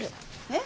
え？